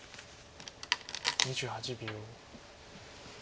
２８秒。